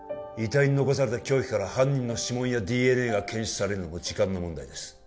遺体に残された凶器から犯人の指紋やＤＮＡが検出されるのも時間の問題です